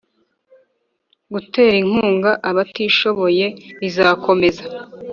gutera inkunga abatishoboye bizakomeza